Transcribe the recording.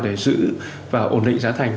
để giữ và ổn định giá thành